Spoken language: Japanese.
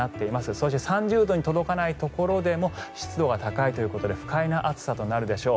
そして３０度に届かないところでも湿度が高く不快な暑さとなるでしょう。